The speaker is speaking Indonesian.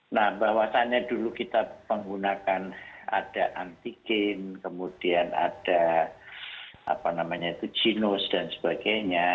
nah bahwasannya dulu kita menggunakan ada antigen kemudian ada apa namanya itu genus dan sebagainya